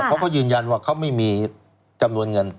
เขาก็ยืนยันว่าเขาไม่มีจำนวนเงิน